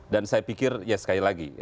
dan saya pikir sekali lagi